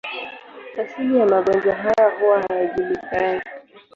Asili ya magonjwa haya huwa hayajulikani.